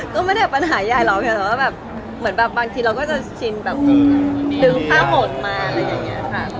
ก็ไม่ได้เป็นปัญหายายหรอกแต่ว่าแบบบางทีเราก็จะชินดึงผ้าห่มมาอะไรอย่างเงี้ย